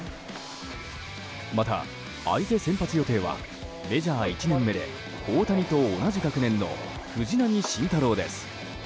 また、相手先発予定はメジャー１年目で大谷と同じ学年の藤浪晋太郎です。